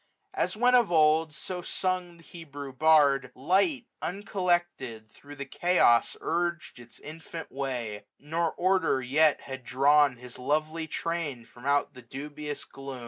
As when of old Cso sung the Hebrew Bard) 730 Light, uncollected, thro* the chaos urg*d Its infant way; nor Order yet had drawn His lovely train from out the dubious gloom.